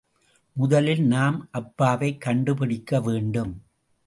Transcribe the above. முதலில் நாம் அப்பாவைக் கண்டுபிடிக்க வேண்டும்.